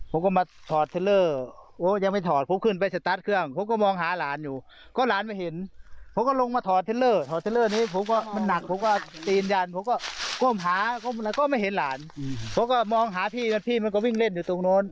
ผมก็มองหาพี่มันพี่มันก็วิ่งเล่นอยู่ตรงโน้น